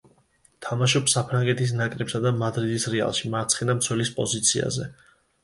თამაშობს საფრანგეთის ნაკრებსა და მადრიდის „რეალში“ მარცხენა მცველის პოზიციაზე.